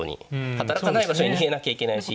働かない場所に逃げなきゃいけないし。